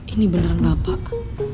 ini beneran bapak